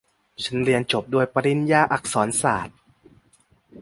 ฉันเรียนจบด้วยปริญญาอักษรศาสตร์